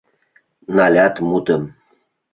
налят мутым